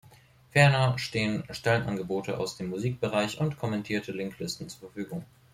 Ferner stehen Stellenangebote aus dem Musikbereich und kommentierte Link-Listen zur Verfügung.